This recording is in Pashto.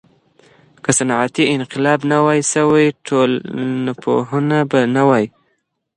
که صنعتي انقلاب نه وای سوی، ټولنپوهنه به نه وای.